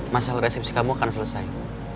masalah resepsi kamu akan selesai